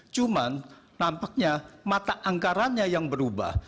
cuman nampaknya mata anggarannya yang berubah